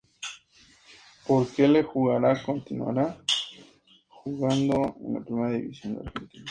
Por lo que jugará continuará jugando en la Primera División de Argentina.